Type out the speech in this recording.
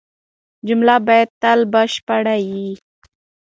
جمله باید تل بشپړه يي.